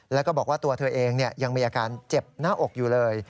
แล้วก็บอกว่าตัวเธอเองยังมีอาการเจ็บหน้าอกอยู่เลย